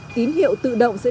tín hiệu tự động sẽ đến